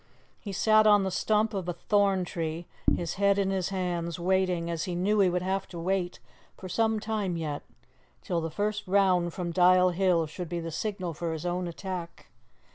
He sat on the stump of a thorn tree, his head in his hands, waiting, as he knew he would have to wait, for some time yet, till the first round from Dial Hill should be the signal for his own attack.